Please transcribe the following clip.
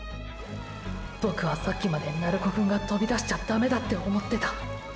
ボクはさっきまで鳴子くんが飛び出しちゃダメだって思ってた。